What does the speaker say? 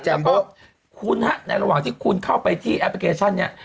แล้วก็คุณฮะในระหว่างที่คุณเข้าไปที่แอปพลิเคชันเนี่ย